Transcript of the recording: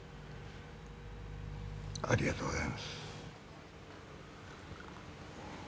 ありがとうございます。